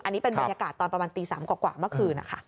อันนี้เป็นบรรยากาศตอนประมาณตี๓กว่าเมื่อคืนนะคะ